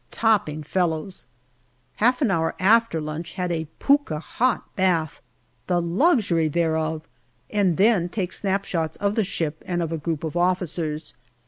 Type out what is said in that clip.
Topping fellows Half an hour after lunch have a "pukka" hot bath. The luxury thereof ! And then take snapshots of the ship and of a group of officers.